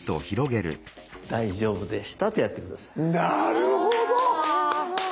なるほど！